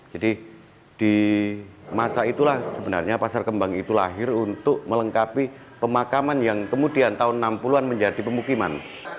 jadi di masa itulah sebenarnya pasar kembang itu lahir untuk melengkapi pemakaman yang kemudian tahun enam puluh an menjadi pemukiman